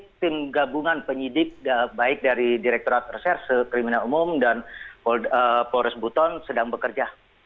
tim gabungan penyidik baik dari direkturat reserse kriminal umum dan polres buton sedang bekerja